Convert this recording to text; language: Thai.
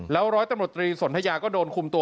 ร้อยตำรวจตรีสนทยาก็โดนคุมตัว